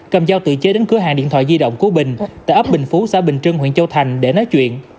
cầm dao tự chế đến cửa hàng điện thoại di động của bình tại ấp bình phú xã bình trưng huyện châu thành để nói chuyện